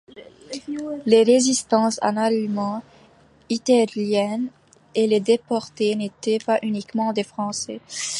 Les résistants à l’Allemagne hitlérienne et les déportés n’étaient pas uniquement des Français.